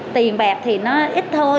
tiền bạc thì nó ít thôi